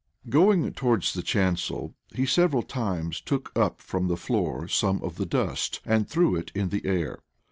Going towards the chancel, he several times took up from the floor some of the dust, and threw it in the air.